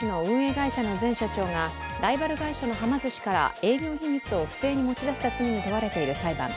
会社の前社長がライバル会社のはま寿司から営業秘密を不正に持ち出した罪に問われている裁判。